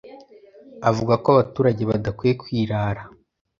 avuga ko abaturage badakwiye kwirara